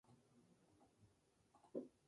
El Senado se vio obligado a aprobar esta ley.